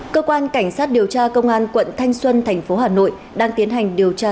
cơ quan cảnh sát điều tra công an quận thanh xuân thành phố hà nội đang tiến hành điều tra